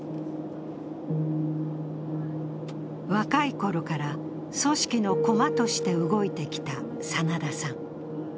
若い頃から組織の駒として動いてきた真田さん。